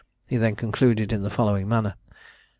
He then concluded in the following manner.